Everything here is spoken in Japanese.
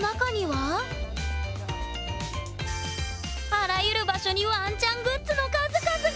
あらゆる場所にわんちゃんグッズの数々が！